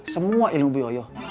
semua ilmu bu yoyo